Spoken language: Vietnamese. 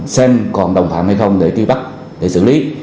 xem còn đồng phạm hay không để ký bắt để xử lý